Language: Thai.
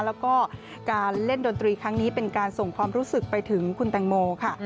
แล้วก็การเล่นดนตรีครั้งนี้เป็นการส่งความรู้สึกไปถึงคุณแตงโมค่ะ